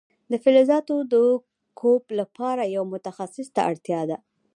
د فلزاتو د کوب لپاره یو متخصص ته اړتیا وه.